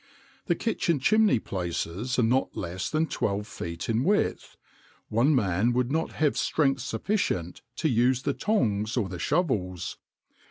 "The kitchen chimney places are not less than twelve feet in width. One man would not have strength sufficient to use the tongs or the shovels.